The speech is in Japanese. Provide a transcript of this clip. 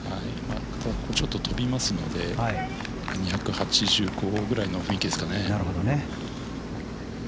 ちょっと飛びますので２８５ぐらい伸びますかね。